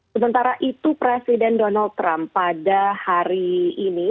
sementara itu presiden donald trump pada hari ini